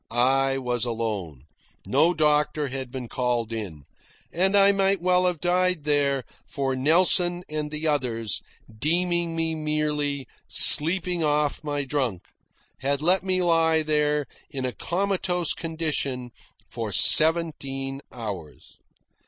I was alone. No doctor had been called in. And I might well have died there, for Nelson and the others, deeming me merely "sleeping off my drunk," had let me lie there in a comatose condition for seventeen hours.